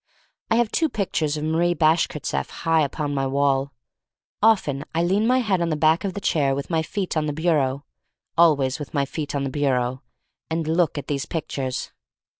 I have two pictures of Marie Bash kirtseff high upon my wall. Often I lean my head on the back of the chair with my feet on the bureau — always with my feet on the bureau — and look at these pictures.